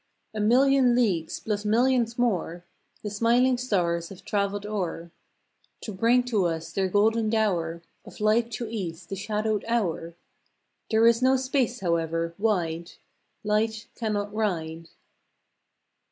A million leagues plus millions more, The smiling stars have traveled o er, To bring to us their golden dower Of light to ease the shadowed hour There is no Space however, wide, Light cannot ride!